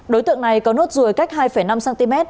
đối tượng này có nốt ruồi cách hai năm cm